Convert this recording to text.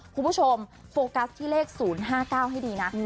คุณผู้ชมโฟกัสที่เลข๐๕๙ให้ดีนะ